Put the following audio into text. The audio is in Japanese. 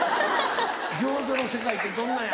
餃子の世界ってどんなんや？